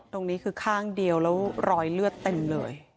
ตรงนี้คือข้างเดียวแล้วรอยเลือดเต็มเลย